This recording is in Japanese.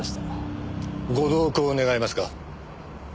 ご同行願えますか？